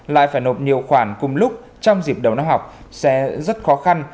lại phải nộp nhiều khoản cùng lúc trong dịp đầu năm học sẽ rất khó khăn